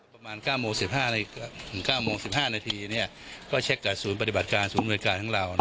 ประมาณ๙โมง๑๕นาทีก็เช็คกับศูนย์ปฏิบัติการศูนย์บริการทั้งเรา